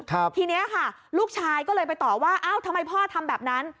ทีนี้ค่ะลูกชายก็เลยไปต่อว่าอ้าวทำไมพ่อทำแบบนั้น